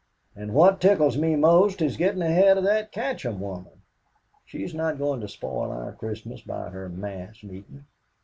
And what tickles me most is getting ahead of the Katcham woman. She's not going to spoil our Christmas by her mass meetin'.